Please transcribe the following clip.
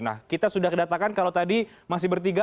nah kita sudah kedatangan kalau tadi masih bertiga